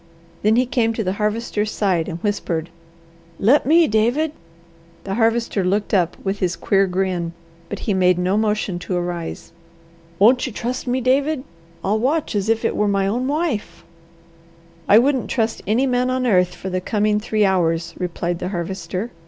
Then he came to the Harvester's side and whispered, "Let me, David!" The Harvester looked up with his queer grin, but he made no motion to arise. "Won't you trust me, David? I'll watch as if it were my own wife." "I wouldn't trust any man on earth, for the coming three hours," replied the Harvester.